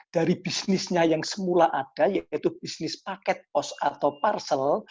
dari bisnisnya yang semula ada yaitu bisnis paket post atau parcel